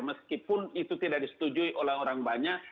meskipun itu tidak disetujui oleh orang banyak